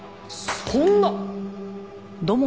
そんな！